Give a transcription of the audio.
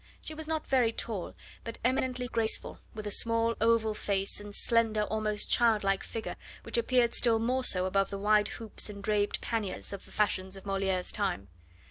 She was not very tall, but eminently graceful, with a small, oval face and slender, almost childlike figure, which appeared still more so above the wide hoops and draped panniers of the fashions of Moliere's time.